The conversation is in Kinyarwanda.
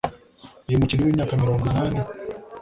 uyu mukinnyi w’imyaka mirongo inani